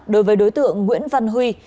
đối với đối tượng nguyễn văn huy